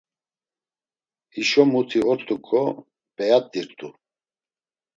Hişo muti ort̆uǩo p̌eyat̆irt̆u.